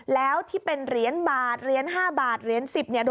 แล้วที่เป็นเหรียญบาทเหรียญ๕บาทเหรียญ๑๐เนี่ย